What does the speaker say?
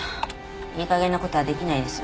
いい加減な事はできないです。